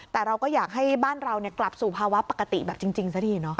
แต่เราก็อยากให้บ้านเรากลับสู่ภาวะปกติแบบจริงซะทีเนาะ